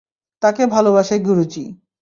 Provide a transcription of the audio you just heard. তাকে ভালোবাসে, গুরুজি।